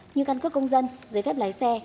như căn cước công dân giấy phép lái xe